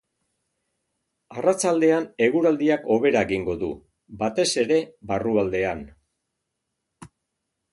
Arratsaldean eguraldiak hobera egingo du, batez ere barrualdean.